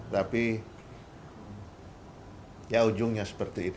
tapi ya ujungnya seperti itu